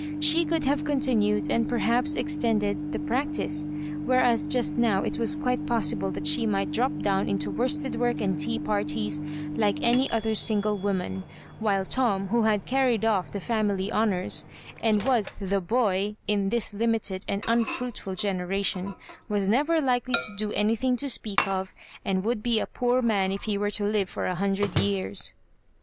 She could have continued, and perhaps extended, the practice, whereas just now it was quite possible that she might drop down into worsted work and tea parties like any other single woman — ^while Tom, who had carried off the family honours, and was " the boy" in this limited and unfruitful genera tion, was never likely to do anythmg to speak of, and would be a poor man if he were to live for a hundred years.